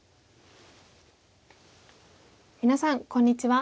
皆さんこんにちは。